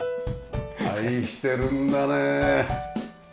愛してるんだね。